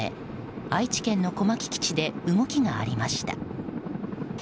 愛知県の小牧基地で動きがありました。